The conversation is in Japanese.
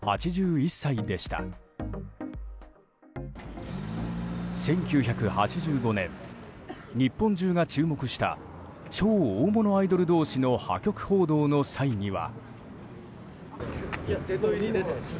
１９８５年、日本中が注目した超大物アイドル同士の破局騒動の際には。